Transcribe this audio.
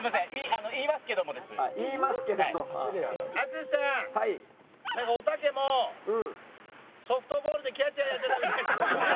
淳さんなんかおたけもソフトボールでキャッチャーやってた。